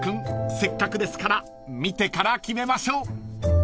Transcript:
せっかくですから見てから決めましょう］